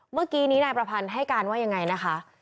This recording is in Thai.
เมื่อกี้นี้นายประพันธ์ให้การว่ายังไงนะคะ